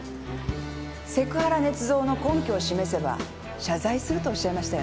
セクハラ捏造の根拠を示せば謝罪するとおっしゃいましたよね？